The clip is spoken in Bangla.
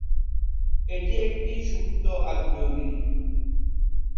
এটি একটি সুপ্ত আগ্নেয়গিরি।